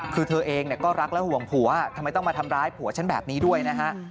คือเธอเองก็รักและห่วงผัวทำไมต้องมาทำร้ายผัวฉันแบบนี้ด้วยนะฮะ